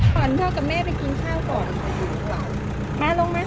เปิดอ่อนท่อดม่าไปกินข้าวก่อน